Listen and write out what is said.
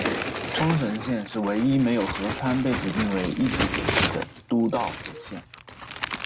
冲绳县是唯一没有河川被指定为一级水系的都道府县。